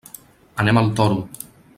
Anem al Toro.